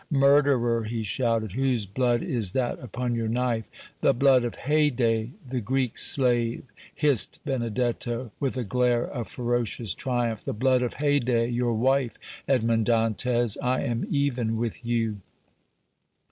"Murderer!" he shouted, "whose blood is that upon your knife?" "The blood of Haydée, the Greek slave!" hissed Benedetto, with a glare of ferocious triumph, "the blood of Haydée, your wife! Edmond Dantès, I am even with you!"